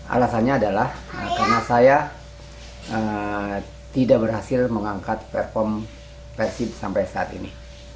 alasannya adalah karena saya tidak berhasil mengangkat perform persib sampai saat ini